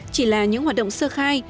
chỉ là những hoạt động sơ khai